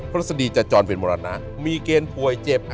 ฤษฎีจะจรเป็นมรณะมีเกณฑ์ป่วยเจ็บ